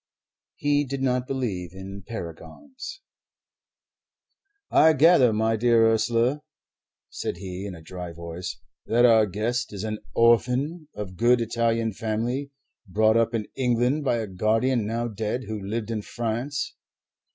He did not believe in paragons. "I gather, my dear Ursula," said he in a dry voice, "that our guest is an orphan, of good Italian family, brought up in England by a guardian now dead who lived in France.